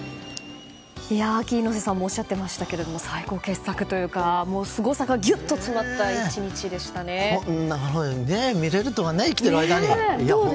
ＡＫＩ猪瀬さんもおっしゃっていましたけど最高傑作というかすごさがギュッと詰まったこんなことが見れるとはね生きてる間に。